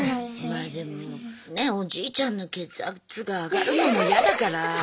まあでもねおじいちゃんの血圧が上がるのも嫌だから。